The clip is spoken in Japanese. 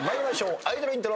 アイドルイントロ。